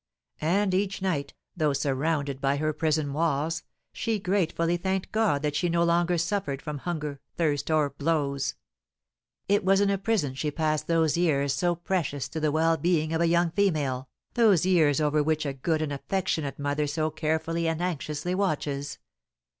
And each night, though surrounded by her prison walls, she gratefully thanked God that she no longer suffered from hunger, thirst, or blows. It was in a prison she passed those years so precious to the well being of a young female, those years over which a good and affectionate mother so carefully and anxiously watches.